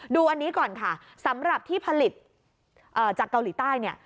ดูอันนี้ก่อนค่ะสำหรับที่ผลิตจากเกาหลีใต้เนี่ย